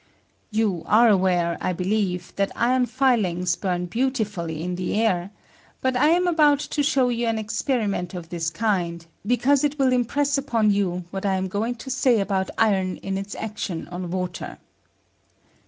You are aware, I believe, that iron filing bum beautifully in the air ; but I am about to show you an experiment of this kind, because it will impress upon you what I am going to say about iron in its action on water.